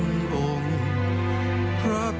จะปิดท้องหลังองค์